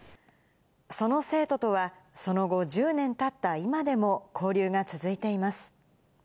その生徒とは、その後、１０年たった今でも交流が続いています。